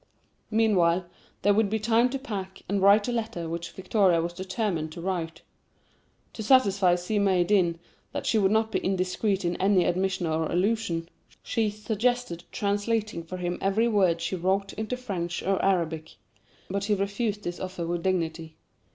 Meanwhile, there would be time to pack, and write a letter which Victoria was determined to write. To satisfy Si Maïeddine that she would not be indiscreet in any admission or allusion, she suggested translating for him every word she wrote into French or Arabic; but he refused this offer with dignity.